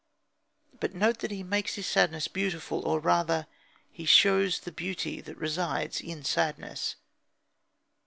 But note that he makes his sadness beautiful; or, rather, he shows the beauty that resides in sadness.